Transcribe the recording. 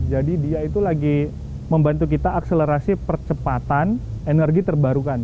jadi dia itu lagi membantu kita akselerasi percepatan energi terbarukan